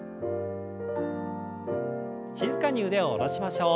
静かに腕を下ろしましょう。